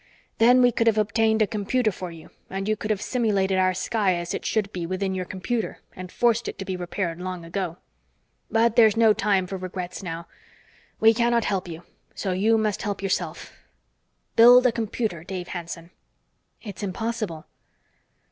Then we could have obtained a computer for you and you could have simulated our sky as it should be within your computer and forced it to be repaired long ago. But there's no time for regrets now. We cannot help you, so you must help yourself. Build a computer, Dave Hanson!" "It's impossible."